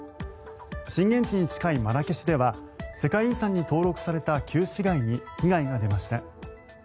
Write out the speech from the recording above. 震源地に近いマラケシュでは世界遺産に登録された旧市街に被害が出ました。